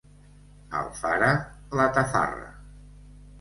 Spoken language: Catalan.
Alfara, la tafarra.